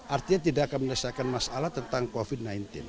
artinya tidak akan menyelesaikan masalah tentang covid sembilan belas